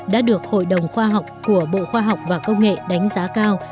đã được hội đồng khoa học của bộ khoa học và công nghệ đánh giá cao